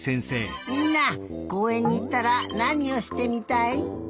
みんなこうえんにいったらなにをしてみたい？